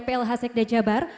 plh sekde jabar